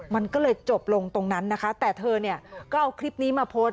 มันก็เลยจบลงตรงนั้นนะคะแต่เธอเนี่ยก็เอาคลิปนี้มาโพสต์